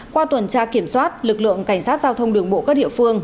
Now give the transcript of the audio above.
qua tuần tra kiểm soát lực lượng cảnh sát giao thông đường bộ các địa phương